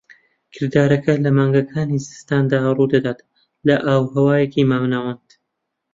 کردارەکە لە مانگەکانی زستاندا ڕوودەدات لە ئاوهەوای مامناوەند.